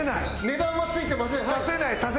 値段はついてません。